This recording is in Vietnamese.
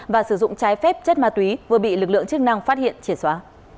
và sử dụng trái phép chất ma túy vừa bị lực lượng chức năng phát hiện triệt xóa